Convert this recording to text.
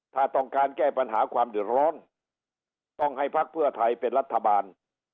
ถ้าต้องการแก้ปัญหาความเดือดร้อนต้องให้พักเพื่อไทยเป็นรัฐบาล